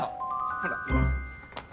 ほら。